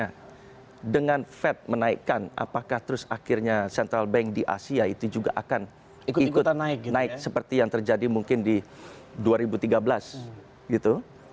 nah dengan fed menaikkan apakah terus akhirnya central bank di asia itu juga akan ikut naik seperti yang terjadi mungkin di dua ribu tiga belas gitu